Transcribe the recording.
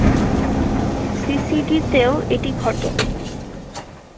সিসিডি-তেও এটি ঘটে।